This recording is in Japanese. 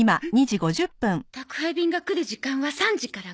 宅配便が来る時間は３時から５時。